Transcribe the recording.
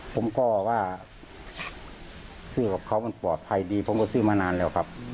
ผมก็ว่าซื้อของเขามันปลอดภัยดีผมก็ซื้อมานานแล้วครับ